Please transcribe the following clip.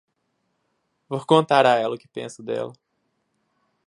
Vou contar a ela o que penso dela!